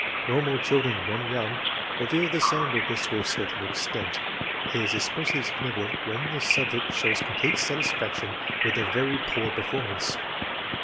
Normal children, when young, reveal the same weakness to a certain extent. It is especi ally significant when the subject shows complete satisfac tion with a very poor performance.